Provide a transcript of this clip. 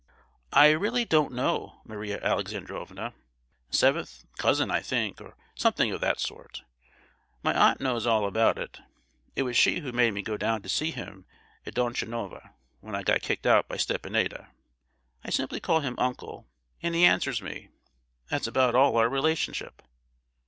"I really don't know, Maria Alexandrovna; seventh, cousin I think, or something of that sort. My aunt knows all about it; it was she who made me go down to see him at Donchanova, when I got kicked out by Stepanida! I simply call him 'uncle,' and he answers me; that's about all our relationship."